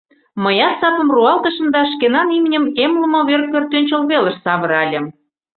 Мыят сапым руалтышым да шкенан имньым эмлыме вер пӧртӧнчыл велыш савыральым.